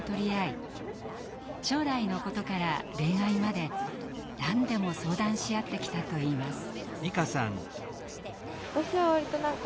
将来のことから恋愛まで何でも相談し合ってきたといいます。